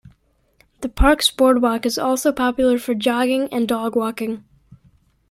The park's boardwalk is also popular for jogging and dog walking.